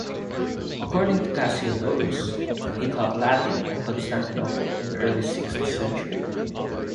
According to Cassiodorus, he taught Latin at Constantinople in the early sixth century.